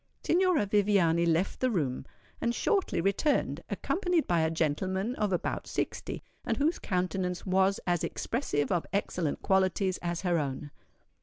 Signora Viviani left the room, and shortly returned, accompanied by a gentleman of about sixty, and whose countenance was as expressive of excellent qualities as her own.